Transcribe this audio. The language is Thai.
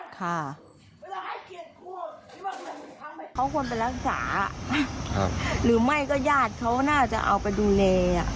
ค่ะเวลาเขาควรไปรักษาหรือไม่ก็ญาติเขาน่าจะเอาไปดูแล